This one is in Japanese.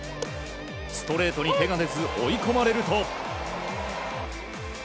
ストレートに手が出ず追い込まれると。